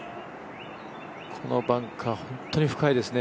このバンカー、本当に深いですね。